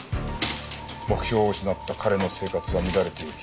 目標を失った彼の生活は乱れていき。